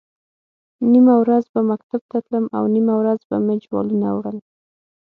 نیمه ورځ به مکتب ته تلم او نیمه ورځ به مې جوالونه وړل.